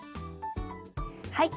はい。